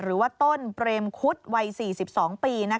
หรือว่าต้นเปรมคุดวัย๔๒ปี